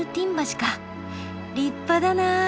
立派だな。